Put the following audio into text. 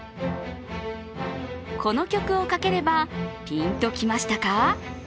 この曲をかければピンときましたか？